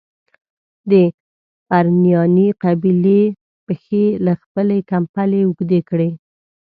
د پرنیاني قبیلې پښې له خپلي کمبلي اوږدې کړي.